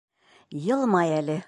Йылмай әле!